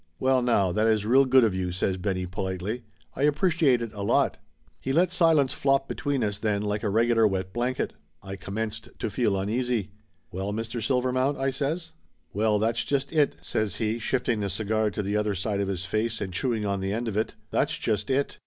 "Well now, that is real good of you," says Benny politely. "I appreciate it a lot." He let silence flop between us then like a regular wet blanket. I commenced to feel uneasy. "Well, Mr. Silver mount?" I says. "Well, that's just it!" says he, shifting the cigar to the other side of his face and chewing on the end of it. "That's just it!"